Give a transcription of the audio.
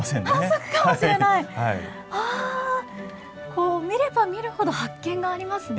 こう見れば見るほど発見がありますね。